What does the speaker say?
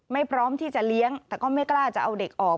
พร้อมที่จะเลี้ยงแต่ก็ไม่กล้าจะเอาเด็กออก